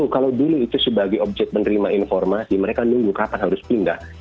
kalau dulu itu sebagai objek menerima informasi mereka nunggu kapan harus pindah